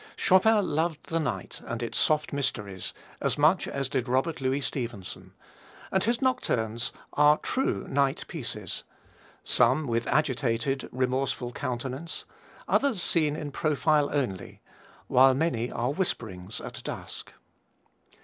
Chopin loved the night and its soft mysteries as much as did Robert Louis Stevenson, and his nocturnes are true night pieces, some with agitated, remorseful countenance, others seen in profile only, while many are whisperings at dusk.